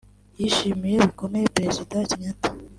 yashimiye bikomeye Perezida Kenyatta